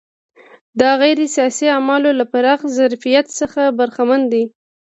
دا غیر سیاسي اعمال له پراخ ظرفیت څخه برخمن دي.